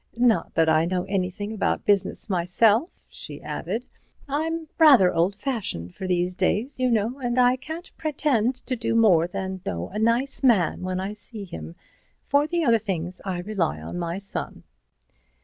Not that I know anything about business myself," she added. "I'm rather old fashioned for these days, you know, and I can't pretend to do more than know a nice man when I see him; for the other things I rely on my son."